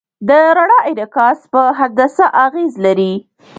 د رڼا انعکاس په هندسه اغېز لري.